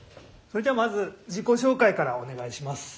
それじゃまず自己紹介からお願いします。